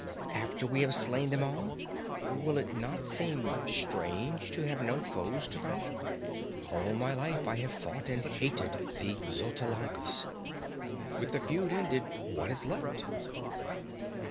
"After we have slain them all? Will it not seem strange, to have no foes to fight? All my life I have fought and hated the Xotalancas. With the feud ended, what is left?"